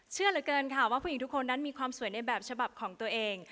เชื่อเหลือเกินค่ะว่าผู้หญิงทุกคนนั้นมีความสวยในแบบฉบับของตัวเอง